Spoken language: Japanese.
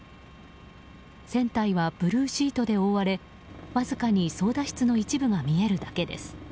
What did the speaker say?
船体はブルーシートで覆われわずかに操舵室の一部が見えるだけです。